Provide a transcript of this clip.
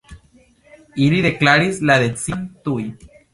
Ili deklaris la decidon tuj.